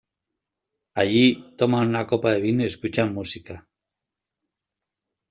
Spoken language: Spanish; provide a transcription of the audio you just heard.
Allí, toman una copa de vino y escuchan música.